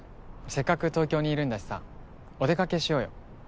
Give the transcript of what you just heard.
せっかく東京にいるんだしさお出かけしようよ。